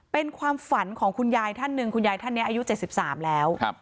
เป็นความฝันของคุณยายท่านหนึ่งคุณยายท่านเนี้ยอายุเจ็ดสิบสามแล้วครับ